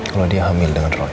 kalau dia hamil dengan roy